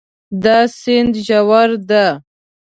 دا سیند ژور ده